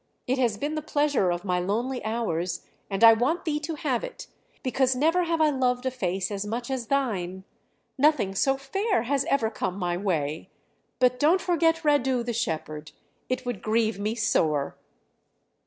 It has been the pleasure of my lonely hours, and I want thee to have it, because never have I loved a face as much as thine; nothing so fair has ever come my way! But don't forget Radu the shepherd! It would grieve me sore!"